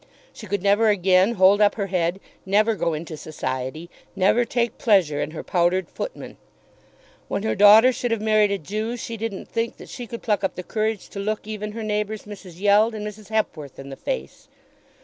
She could never again hold up her head, never go into society, never take pleasure in her powdered footmen. When her daughter should have married a Jew, she didn't think that she could pluck up the courage to look even her neighbours Mrs. Yeld and Mrs. Hepworth in the face.